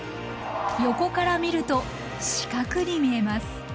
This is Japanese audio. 横から見ると四角に見えます。